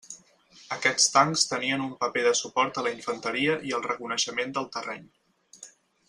Aquests tancs tenien un paper de suport a la infanteria i el reconeixement del terreny.